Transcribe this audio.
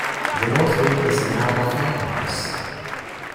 The north wing is now a farmhouse.